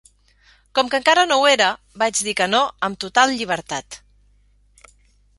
Com que encara no ho era, vaig dir que no amb total llibertat.